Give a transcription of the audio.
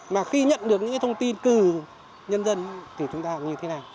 mà khi nhận được những thông tin từ nhân dân thì chúng ta như thế này